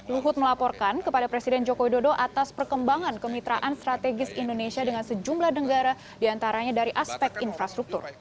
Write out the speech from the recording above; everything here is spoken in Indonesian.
luhut melaporkan kepada presiden joko widodo atas perkembangan kemitraan strategis indonesia dengan sejumlah negara diantaranya dari aspek infrastruktur